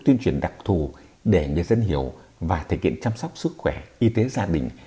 tuyên truyền đặc thù để người dân hiểu và thực hiện chăm sóc sức khỏe y tế gia đình